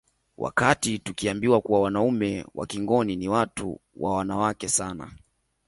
Wakati tukiambiwa kuwa wanaume wa Kingoni ni watu wa wanawake sana